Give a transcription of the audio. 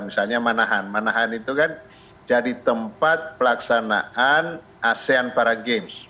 misalnya manahan manahan itu kan jadi tempat pelaksanaan asean para games